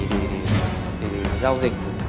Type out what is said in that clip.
để giao dịch